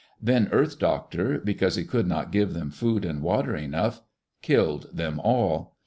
Then Earth Doctor, because he could not give them food and water enough, killed them all.